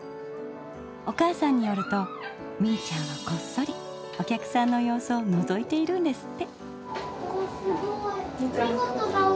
お母さんによるとみいちゃんはこっそりお客さんの様子をのぞいているんですって！